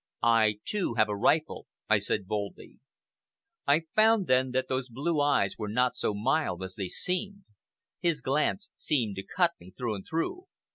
"I, too, have a rifle," I said boldly. I found, then, that those blue eyes were not so mild as they seemed. His glance seemed to cut me through and through.